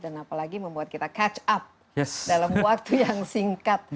dan apalagi membuat kita catch up dalam waktu yang singkat